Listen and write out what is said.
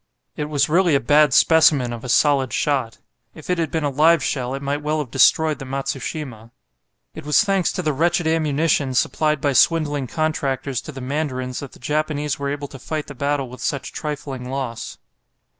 It was really a bad specimen of a solid shot. If it had been a live shell, it might well have destroyed the "Matsushima." It was thanks to the wretched ammunition supplied by swindling contractors to the mandarins that the Japanese were able to fight the battle with such trifling loss.